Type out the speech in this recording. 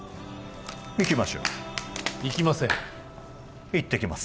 行きましょう行きません行ってきます